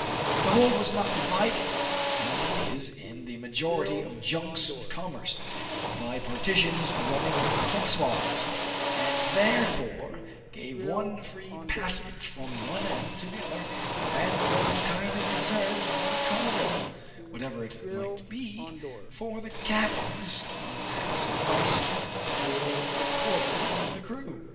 The hold was not divided, as it is in the majority 208 TRIBULATIONS OF A CHINAMAN. of junks of commerce, by partitions running cross wise, and therefore gave one free passage from one end to the other, and was entirely reserved for the cargo, whatever it might be; for the cabins on deck sufficed for the quarters of the crew.